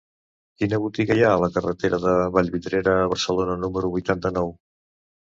Quina botiga hi ha a la carretera de Vallvidrera a Barcelona número vuitanta-nou?